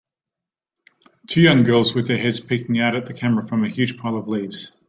Two young girls with their heads peeking out at the camera from a huge pile of leaves.